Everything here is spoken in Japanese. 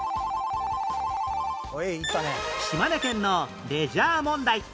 島根県のレジャー問題